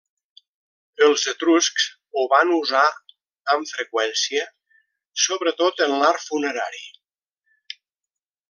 Els etruscs ho van usar amb freqüència sobretot en l'art funerari.